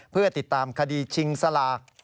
เพื่อติดตามคดีชิงสลาก